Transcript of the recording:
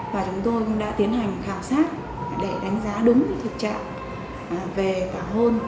và chúng tôi cũng đã tiến hành khảo sát để đánh giá đúng thực trạng về tảo hôn